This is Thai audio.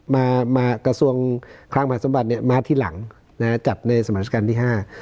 มามากระทรวงคลังมหาสมบัติเนี่ยมาทีหลังนะฮะจัดในสมัชการที่ห้า